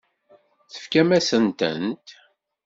Tefkam-asent-tent?